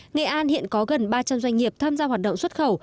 nghệ an hiện có gần ba trăm linh doanh nghiệp tham gia hoạt động xuất khẩu